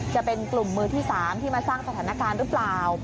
จะเป็นกลุ่มมือที่๓ที่มาสร้างสถานการณ์หรือเปล่า